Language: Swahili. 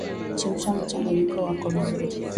chemsha mchanganyiko wako vizuri